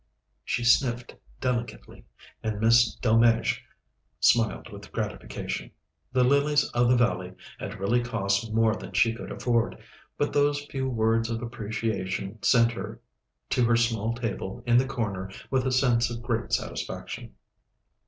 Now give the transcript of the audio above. She sniffed delicately, and Miss Delmege smiled with gratification. The lilies of the valley had really cost more than she could afford, but those few words of appreciation sent her to her small table in the corner with a sense of great satisfaction.